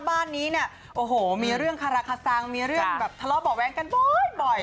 บ้านนี้เนี่ยโอ้โหมีเรื่องคาราคาซังมีเรื่องแบบทะเลาะเบาะแว้งกันบ่อย